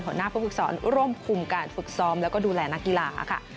หัวหน้าผู้ฝึกสอนร่วมคุมการฝึกซ้อมแล้วก็ดูแลนักกีฬาค่ะ